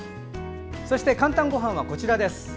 そして「かんたんごはん」はこちらです。